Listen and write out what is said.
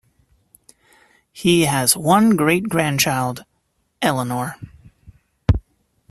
He has one great grandchild—Eleanor.